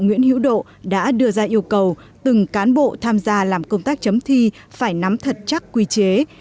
nguyễn hữu độ đã đưa ra yêu cầu từng cán bộ tham gia làm công tác chấm thi phải nắm thật chắc quy chế